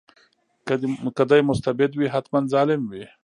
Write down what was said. که دی مستبد وي حتماً ظالم وي.